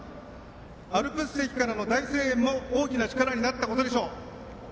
アルプス席からの大声援も大きな力になったことでしょう。